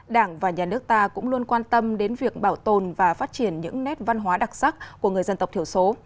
đảng và nhà nước ta cũng luôn quan tâm đến việc bảo tồn và phát triển những nét văn hóa đặc sắc của người dân tộc thiểu số